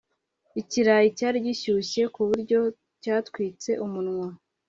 Ikirayi cyari gishyushye kuburyo cyatwitse umunwa